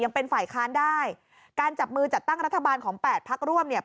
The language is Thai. ยังเป็นฝ่ายค้านได้การจับมือจัดตั้งรัฐบาลของแปดพักร่วมเนี่ย